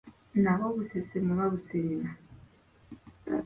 Nabw'o busesema oba buserema.